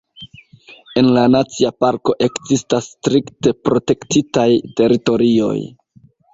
En la nacia parko ekzistas strikte protektitaj teritorioj.